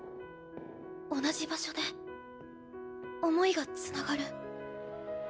同じ場所で想いがつながる。